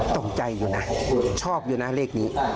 ตกใจอยู่นะชอบอยู่นะเลขนี้